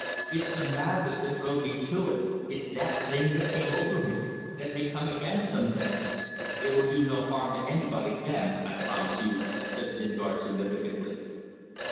It's the madness that drove me to it. It's that thing that came over me. That may come again, some day." "It will do no harm to anybody then, I promise you," said Lingard, significantly.